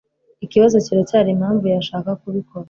Ikibazo kiracyari impamvu yashaka kubikora.